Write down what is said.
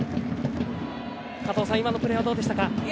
加藤さん、今のプレーはどうでしたか？